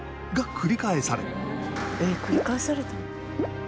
繰り返されたんだ。